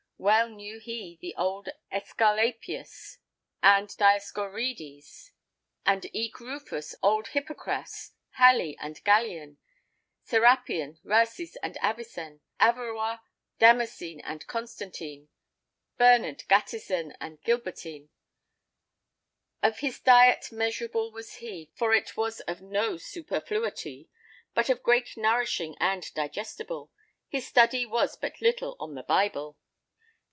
Wel knew he the old Esculapius, And Dioscorides, and eke Rufus; Old Hippocras, Hali, and Gallien; Serapion, Rasis and Avicen; Averrois, Damascene and Constantin, Bernard, and Gatisden and Gilbertin. Of his diete mesurable was he, For it was of no superfluitee, But of gret nourishing and digestible. His studie was but litel on the Bible.